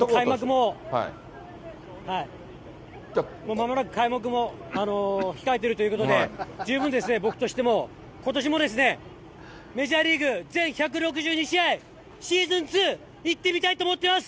まもなく開幕も控えてるということで、十分ですね、僕としてもことしもですね、メジャーリーグ全１６２試合、シーズン２、行ってみたいと思ってます。